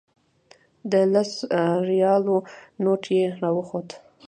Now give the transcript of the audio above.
د لسو ریالو نوټ یې راښود.